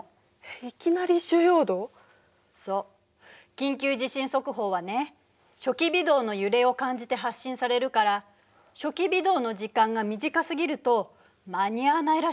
緊急地震速報はね初期微動の揺れを感じて発信されるから初期微動の時間が短すぎると間に合わないらしいのよ。